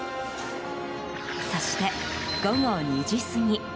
そして、午後２時過ぎ。